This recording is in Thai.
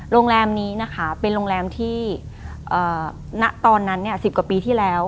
โรงแรมนี้นะคะเป็นโรงแรมที่ณตอนนั้น๑๐กว่าปีที่แล้ว